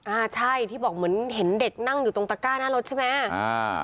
อ่าใช่ที่บอกเหมือนเห็นเด็กนั่งอยู่ตรงตะก้าหน้ารถใช่ไหมอ่า